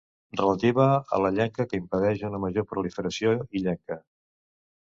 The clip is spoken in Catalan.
Relativa a la llenca que impedeix una major proliferació illenca.